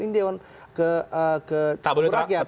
ini dewan ke tabelit obor rakyat